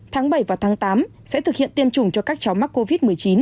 tháng bảy và tháng tám sẽ thực hiện tiêm chủng cho các cháu mắc covid một mươi chín